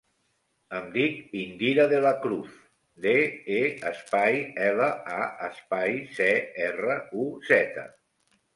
Em dic Indira De La Cruz: de, e, espai, ela, a, espai, ce, erra, u, zeta.